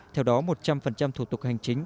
theo đó một trăm linh thủ tục hành chính